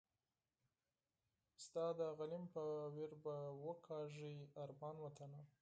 ستا د غلیم په ویر به وکاږي ارمان وطنه